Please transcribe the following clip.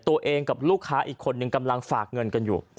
ตัวเองกับลูกค้าอีกคนนึงกำลังฝากเงินกันอยู่